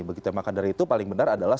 begitu maka dari itu paling benar adalah